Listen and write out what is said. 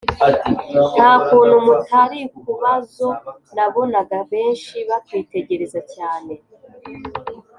ntakuntu mutarikubazo nabonaga benshi bakwitegereza cyane